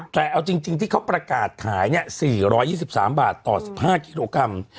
แต่เอาจริงที่เขาประกาศขาย๔๒๓บาทต่อ๑๕กิโลกรัม